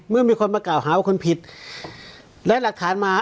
เมื่อมีคนมากล่าวหาว่าคนผิดและหลักฐานมา